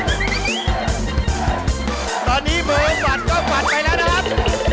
ตอนนี้๓๖๐ก็ฝ่านไปแล้วนะครับ